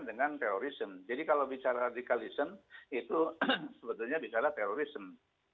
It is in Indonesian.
dengan terorisme jadi kalau bicara radikalisme itu sebetulnya bicara terorisme